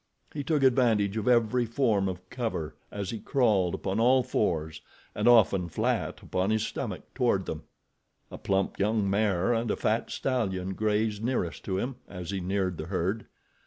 He took advantage of every form of cover as he crawled upon all fours and often flat upon his stomach toward them. A plump young mare and a fat stallion grazed nearest to him as he neared the herd.